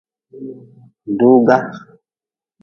Duuga.